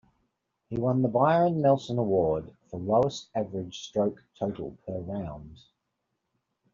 He won the Byron Nelson Award for lowest average stroke total per round.